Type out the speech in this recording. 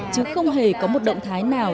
chứ không hề có một động thái nào